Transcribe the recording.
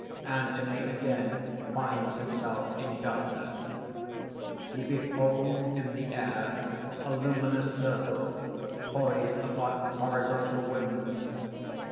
(Anthony again finds himself in darkness. _He beholds in the air a luminous circle, poised upon horizontal wings.